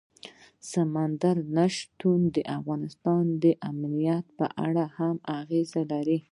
سمندر نه شتون د افغانستان د امنیت په اړه هم اغېز لري.